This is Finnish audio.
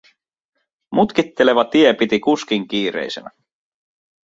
Mutkitteleva tie piti kuskin kiireisenä.